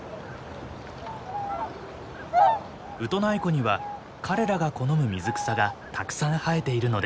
ウトナイ湖には彼らが好む水草がたくさん生えているのです。